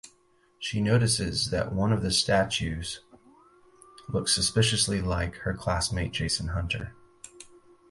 She notices that one of the statues looks suspiciously like her classmate Jason Hunter.